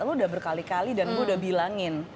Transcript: lo udah berkali kali dan gue udah bilangin